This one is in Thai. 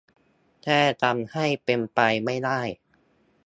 แค่ทำให้เป็นไปไม่ได้